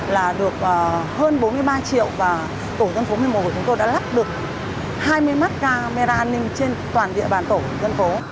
là được hơn bốn mươi ba triệu và tổ dân phố một mươi một của chúng tôi đã lắp được hai mươi mắt camera an ninh trên toàn địa bàn tổ dân phố